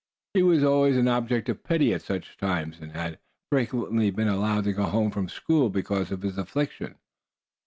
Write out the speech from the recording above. He was always an object of pity at such times, and had frequently been allowed to go home from school because of his affliction.